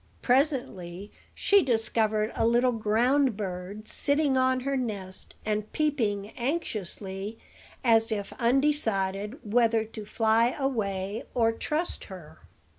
Presently she discovered a little ground bird sitting on her nest, and peeping anxiously, as if undecided whether to fly away or trust her.